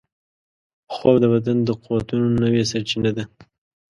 خوب د بدن د قوتونو نوې سرچینه ده